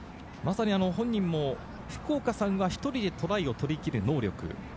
まさに本人も福岡さんが１人でトライを取りきる能力。